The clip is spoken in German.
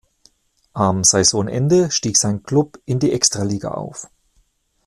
Am Saisonende stieg sein Klub in die Extraliga auf.